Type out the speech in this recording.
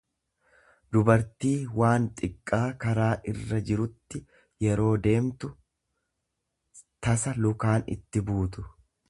dubartii waan xiqqaa karaa irra jirutti yeroo deemtu tasa lukaan itti buutu.